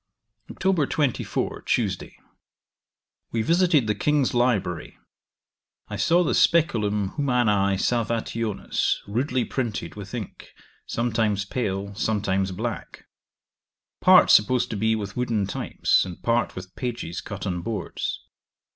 'Oct. 24, Tuesday. We visited the King's library I saw the Speculum humanae Salvationis, rudely printed, with ink, sometimes pale, sometimes black; part supposed to be with wooden types, and part with pages cut on boards.